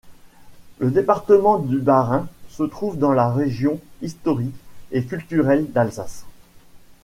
Le département du Bas-Rhin se trouve dans la région historique et culturelle d'Alsace.